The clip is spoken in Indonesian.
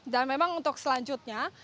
dan memang untuk selanjutnya